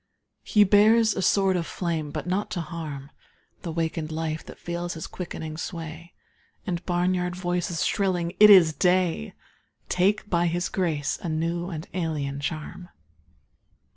He bears a sword of flame but not to harm The wakened life that feels his quickening sway And barnyard voices shrilling "It is day!" Take by his grace a new and alien charm.